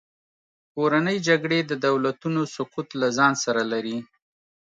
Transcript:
کورنۍ جګړې د دولتونو سقوط له ځان سره لري.